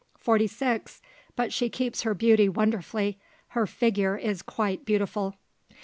Forty six; but she keeps her beauty wonderfully; her figure is quite beautiful."